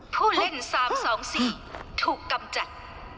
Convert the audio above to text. ผู้เล่น๓๒๔ถูกกำจัด